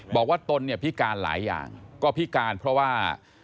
บอกว่าตนพิการหลายอย่างก็พิการเพราะว่า